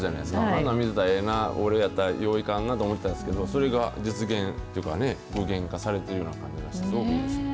あんなん見てたらええな、俺やったらよういかんなと思ってたんですけど、それが実現っていうかね、具現化されているような感じがしてすごくいいですよね。